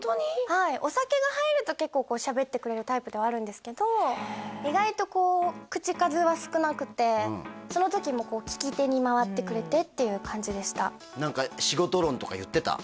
はいお酒が入ると結構こうしゃべってくれるタイプではあるんですけど意外とこう口数は少なくてその時もこうきき手に回ってくれてっていう感じでした何か仕事論とか言ってた？